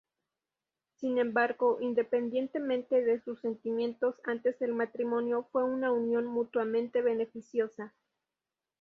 Sin embargo, independientemente de sus sentimientos antes del matrimonio, fue una unión mutuamente beneficiosa.